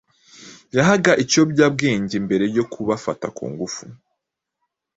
yahaga ibiyobyabwenge mbere yo kubafata ku ngufu.